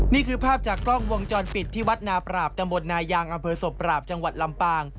นี่คือภาพจากกล้องวงจรปิดที่วัดนาปราบตำบลนายางอำเภอศพปราบจังหวัดลำปาง